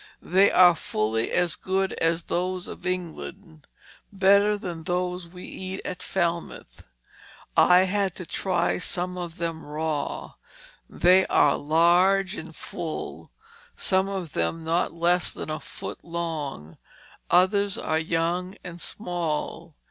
They are fully as good as those of England, better than those we eat at Falmouth. I had to try some of them raw. They are large and full, some of them not less than a foot long. Others are young and small.